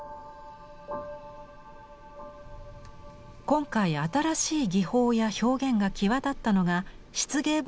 今回新しい技法や表現が際立ったのが漆芸部門です。